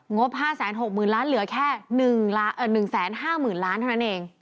บ๕๖๐๐๐ล้านเหลือแค่๑๕๐๐๐ล้านเท่านั้นเอง